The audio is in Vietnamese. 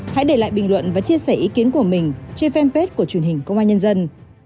hãy để lại bình luận và chia sẻ ý kiến của mình trên fanpage của truyền hình công an nhân dân